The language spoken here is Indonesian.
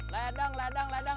ledang ledang ledang